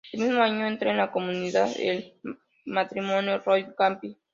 El mismo año, entra en la comunidad el matrimonio Roig-Campi.